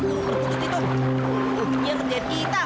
itu dia kejar kita